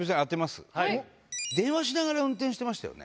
電話しながら運転してましたよね。